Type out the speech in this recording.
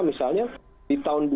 misalnya di tahun dua ribu empat belas